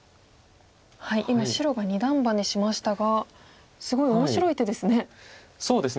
今白が二段バネしましたがすごい面白い手ですね。